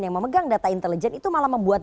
yang memegang data intelijen itu malah membuat